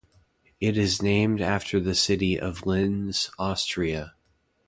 It is named after the city of Linz, Austria.